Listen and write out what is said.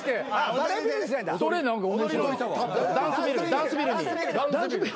ダンスビルに。